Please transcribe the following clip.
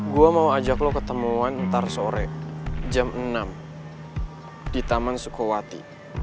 gue mau ajak lo ketemuan ntar sore jam enam di taman sukowati